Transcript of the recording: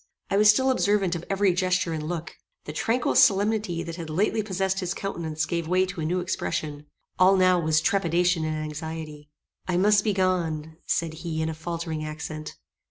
I was still observant of every gesture and look. The tranquil solemnity that had lately possessed his countenance gave way to a new expression. All now was trepidation and anxiety. "I must be gone," said he in a faltering accent.